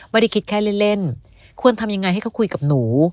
ไม่ได้คิดแค่เล่นควรทำยังไงให้เขาคุยกับหนู